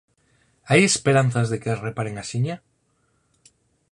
Hai esperanzas de que as reparen axiña?